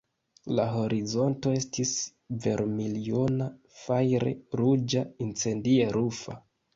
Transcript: La horizonto estis vermiljona, fajre-ruĝa, incendie-rufa.